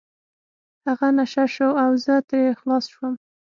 هغه نشه شو او زه ترې خلاص شوم.